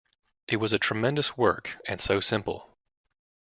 It was a tremendous work - and so simple.